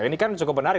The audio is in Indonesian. ini kan cukup menarik